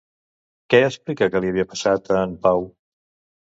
Què explica que li havia passat, a en Pau?